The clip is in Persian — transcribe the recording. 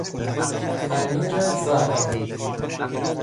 پنیر زرد